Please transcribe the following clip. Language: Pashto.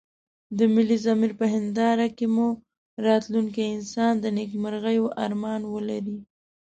د ملي ضمير په هنداره کې مو راتلونکی انسان د نيکمرغيو ارمان ولري.